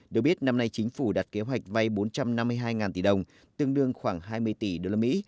được biết năm nay chính phủ đặt kế hoạch vay bốn trăm năm mươi hai tỷ đồng tương đương khoảng hai mươi tỷ đô la mỹ